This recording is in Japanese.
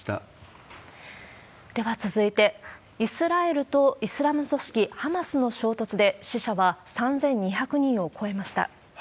では続いて、イスラエルとイスラム組織ハマスの衝突で、死者は３２００人を超えました。